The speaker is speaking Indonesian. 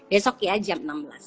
besok ya jam enam belas